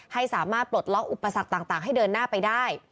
ให้สามารถปลดล็อกอุปสรรคต่างให้เดินหน้าไปได้